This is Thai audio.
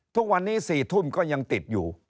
ทุกวันนี้๔ทุ่มก็ยังติดอยู่